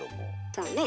そうね。